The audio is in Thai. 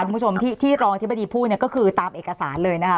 คุณผู้ชมที่รองที่ปฏิพูดก็คือตามเอกสารเลยนะคะ